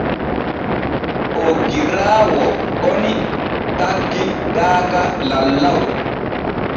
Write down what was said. Oggiraawo goni taggi daaga lallaw.